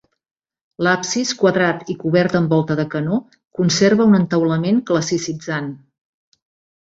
L'absis, quadrat i cobert amb volta de canó, conserva un entaulament classicitzant.